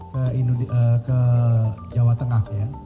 ke jawa tengah ya